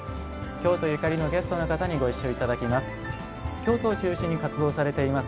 京都ゆかりのゲストの方にご一緒いただきます。